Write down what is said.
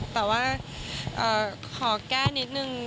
แต่ว่าขอแก้นิดนึง